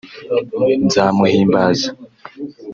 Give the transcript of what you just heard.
Nzamuhimbaza